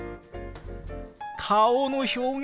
顔の表現！